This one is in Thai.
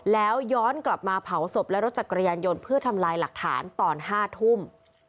แล้วย้อนกลับมาเผาศพและรถจักรยานยนต์เพื่อทำลายหลักฐานตอน๕ทุ่ม